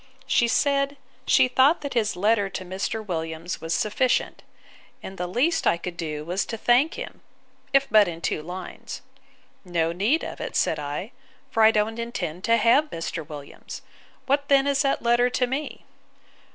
She said, she thought that his letter to Mr. Williams was sufficient; and the least I could do was to thank him, if but in two lines. No need of it, said I; for I don't intend to have Mr. Williams: What then is that letter to me?